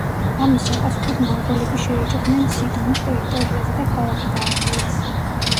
ამის საპასუხოდ მონღოლები შეიჭრნენ სიდონის ტერიტორიაზე და ქალაქი დაარბიეს.